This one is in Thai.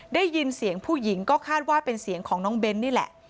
ได้ยินเสียงผู้หญิงก็คาดว่าเป็นเสียงของน้องเบ้นนี่แหละ